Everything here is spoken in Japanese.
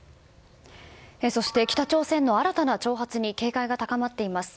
そして、北朝鮮の新たな挑発に警戒が高まっています。